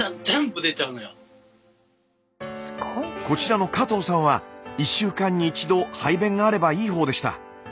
こちらの加藤さんは１週間に１度排便があればいいほうでした。